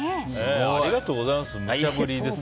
ありがとうございます。